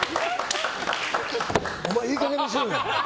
お前、いい加減にしろよ。